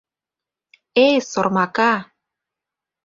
— Эй, сормака!